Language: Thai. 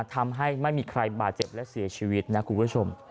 ทำให้ไม่มีใครบาดเจ็บและเสียชีวิตนะคุณผู้ชม